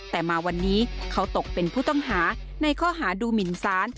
แต่มาวันนี้เขาตกเป็นผู้ต้องหาในข้อหาดูหมินสาร